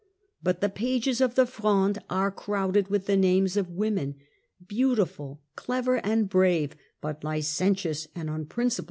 But the pages of the Fronde are crowded with the names of women, beau tiful, clew, and brave, but licentious and unprincipled, 1 1648.